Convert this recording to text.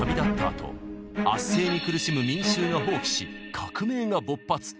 あと圧政に苦しむ民衆が蜂起し革命が勃発。